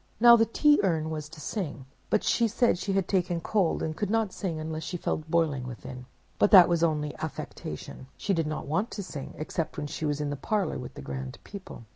"Now the Tea Urn was to sing; but she said she had taken cold and could not sing unless she felt boiling within. But that was only affectation: she did not want to sing, except when she was in the parlor with the grand people.